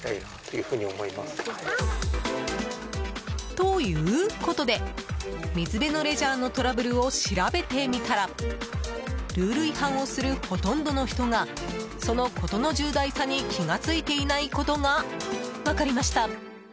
ということで水辺のレジャーのトラブルを調べてみたらルール違反をするほとんどの人がその事の重大さに気が付いてないことが分かりました。